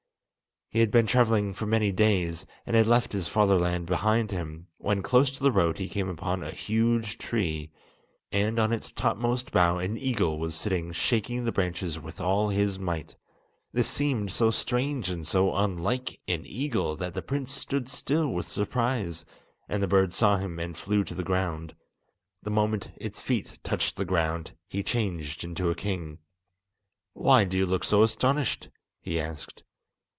He had been travelling for many days, and had left his fatherland behind him, when close to the road he came upon a huge tree, and on its topmost bough an eagle was sitting shaking the branches with all his might. This seemed so strange and so unlike an eagle, that the prince stood still with surprise, and the bird saw him and flew to the ground. The moment its feet touched the ground he changed into a king. "Why do you look so astonished?" he asked.